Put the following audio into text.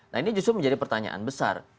nah ini justru menjadi pertanyaan besar